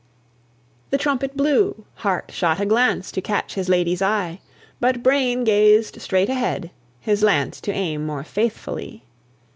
V. The trumpet blew; Heart shot a glance To catch his lady's eye. But Brain gazed straight ahead, his lance To aim more faithfully.